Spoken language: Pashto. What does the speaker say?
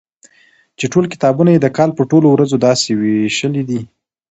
چي ټول کتابونه يي د کال په ټولو ورځو داسي ويشلي دي